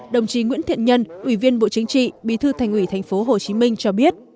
đồng chí nguyễn thiện nhân ủy viên bộ chính trị bí thư thành ủy tp hcm cho biết